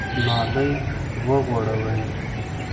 نالۍ وغوړوئ !